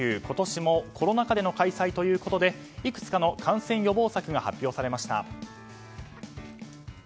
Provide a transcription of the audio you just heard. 今年もコロナ禍での開催ということでいくつかの感染予防策が発表されました。